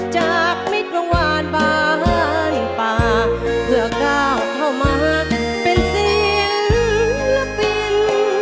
จากมิตรวงวานบ้านป่าเพื่อก้าวเข้ามาเป็นศิลปิน